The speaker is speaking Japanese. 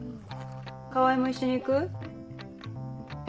川合も一緒に行く？え？